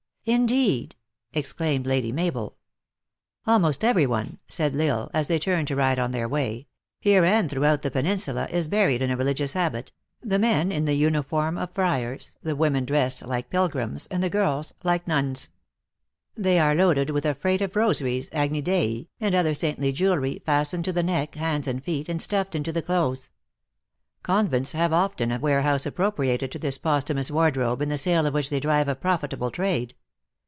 "Indeed !" exclaimed Lady Mabel. " Almost every one," said L Isle, as they turned to ride on their way, " here and throughout the Penin sula, is buried in a religious habit the men in the 190 THE ACTRESS IN IIIGII LIFE. uniform of friars, the women dressed like pilgrims, and the girls like nuns. They are loaded with a freight of rosaries, agni dei, and other saintly jewelry, fasten ed to the neck, hands and feet, and stuffed into the clothes. Convents have often a warehouse appropri ated to this posthumous wardrobe, in the sale of which they drive a profitable trade.